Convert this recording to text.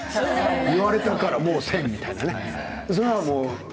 言われたからもう、せん、みたいなね。